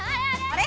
あれ？